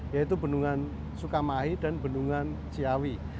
yaitu bendungan sukamahi dan bendungan ciawi